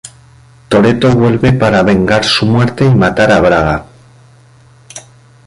Toretto vuelve para vengar su muerte y matar a Braga.